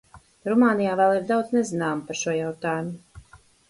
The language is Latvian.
Rumānijā vēl ir daudz nezināma par šo jautājumu.